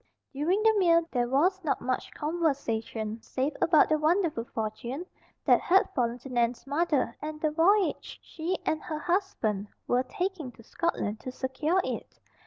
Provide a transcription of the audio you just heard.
During the meal there was not much conversation save about the wonderful fortune that had fallen to Nan's mother and the voyage she and her husband were taking to Scotland to secure it.